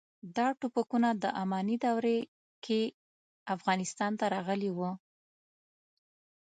دا ټوپکونه د اماني دورې کې افغانستان ته راغلي وو.